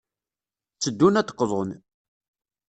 Tteddun ad d-qḍun.